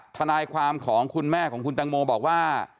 ทนายความของคุณแม่ของคุณตังโมบอกว่า